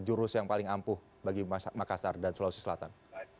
jurus yang paling ampuh bagi makassar dan sulawesi selatan